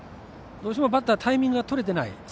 どうしてもバッターはタイミングが取れていない